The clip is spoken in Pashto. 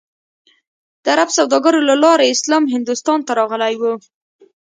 د عرب سوداګرو له لارې اسلام هندوستان ته راغلی و.